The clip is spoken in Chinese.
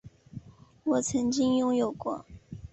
我曾经拥有过